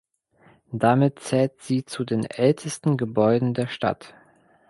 Damit zählt sie zu den ältesten Gebäuden der Stadt.